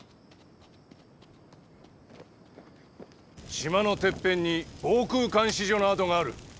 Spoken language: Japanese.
島のてっぺんに防空監視所の跡がある。